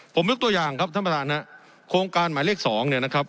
ผมยกตัวอย่างครับท่านประธานฮะโครงการหมายเลขสองเนี่ยนะครับ